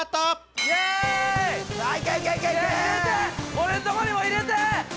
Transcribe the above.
俺のとこにも入れて！